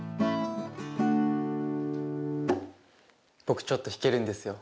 僕ちょっと弾けるんですよ。